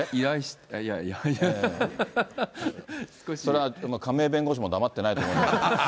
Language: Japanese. いやいや、それは亀井弁護士も黙ってないと思いますよ。